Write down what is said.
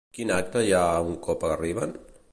Quin acte hi ha un cop arriben?